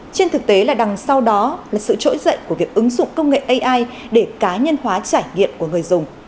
trên thực tế là đằng sau đó là sự trỗi dậy của việc ứng dụng công nghệ ai để cá nhân hóa trải nghiệm của người dùng